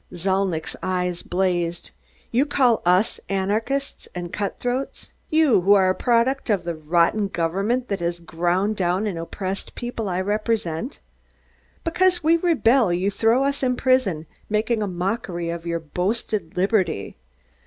Zalnitch's eyes blazed. "You call us anarchists and cutthroats. You, who are a product of the rotten government that has ground down and oppressed the people I represent. Because we rebel, you throw us in prison, making a mockery of your boasted liberty.